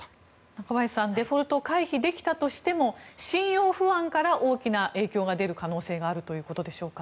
中林さんデフォルト回避できたとしても信用不安から大きな影響が出る可能性があるということでしょうか？